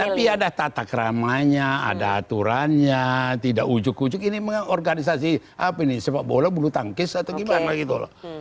tapi ada tatak ramanya ada aturannya tidak ujuk ujuk ini memang organisasi apa nih sepak bola bulu tangkis atau gimana gitu loh